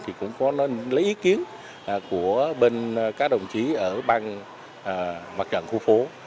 thì cũng có lấy ý kiến của bên các đồng chí ở bang mặt trận khu phố